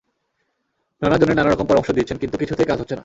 নানা জনে নানা রকম পরামর্শ দিচ্ছেন, কিন্তু কিছুতেই কাজ হচ্ছে না।